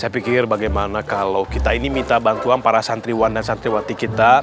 saya pikir bagaimana kalau kita ini minta bantuan para santriwan dan santriwati kita